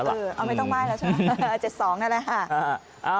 เอาไม่ต้องไห้แล้วใช่ไหม๗๒นั่นแหละค่ะ